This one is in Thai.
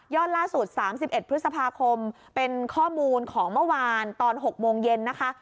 ล่าสุด๓๑พฤษภาคมเป็นข้อมูลของเมื่อวานตอน๖โมงเย็นนะคะ